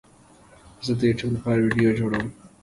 زه د یوټیوب لپاره ویډیو جوړوم